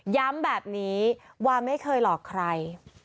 ย้ำแบบนี้วาไม่เคยหลอกใคร